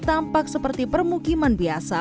tampak seperti permukiman biasa